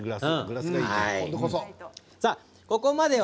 さあ、ここまでは。